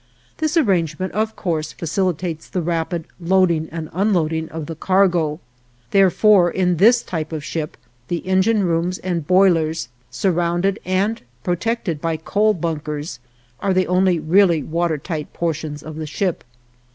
This arrangement, of course, facilitates the rapid loading and unloading of the cargo; therefore, in this type of ship the engine rooms and boilers, surrounded and protected by coal bunkers, are the only really water tight portions of the ship.